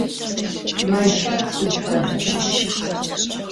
Мэлхэр сыд фэдэха?